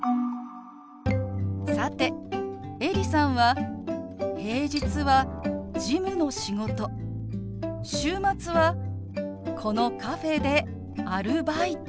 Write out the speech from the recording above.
さてエリさんは平日は事務の仕事週末はこのカフェでアルバイト。